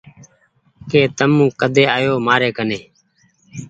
ڪه تم ڪۮي آيو مآ ڪني